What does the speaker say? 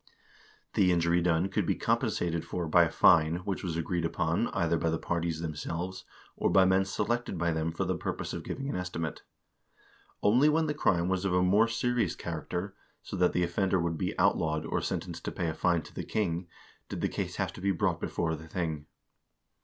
The injury done could be compensated for by a fine, which was agreed upon, either by the parties themselves, or by men selected by them for the purpose of giving an estimate. Only when the crime was of a more serious character, so that the offender would be outlawed, or sentenced to pay fine to the king, did the case have to be brought before the thing.